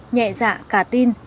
nhẹ dạ cả tin